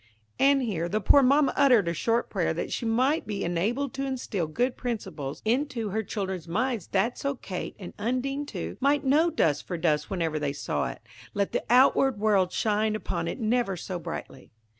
And here the poor mamma uttered a short prayer that she might be enabled to instil good principles into her children's minds, that so Kate, and Undine too, might know dust for dust whenever they saw it, let the outward world shine upon it never so brightly.